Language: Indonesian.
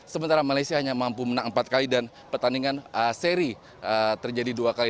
sementara malaysia hanya mampu menang empat kali dan pertandingan seri terjadi dua kali